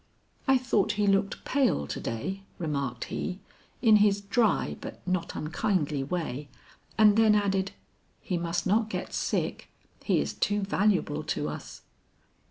'I thought he looked pale to day,' remarked he, in his dry but not unkindly way, and then added, 'He must not get sick; he is too valuable to us.'